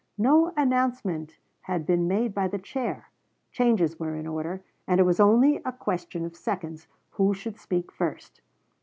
No announcement had been made by the chair; changes were in order, and it was only a question of seconds who should speak first.